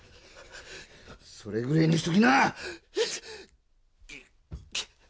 それぐれえにしときな！